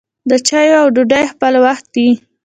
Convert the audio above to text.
د چايو او ډوډۍ خپله وخت يي.